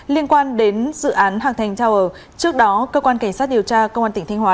liên quan đến dự án hạc thành tower trước đó cơ quan cảnh sát điều tra công an tỉnh thanh hóa